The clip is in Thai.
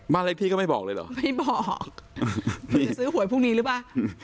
บ้านอะไรพี่ก็ไม่บอกเลยหรอไม่บอกจะซื้อหวยพรุ่งนี้หรือเปล่า